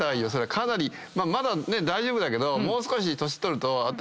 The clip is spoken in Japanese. かなりまだね大丈夫だけどもう少し。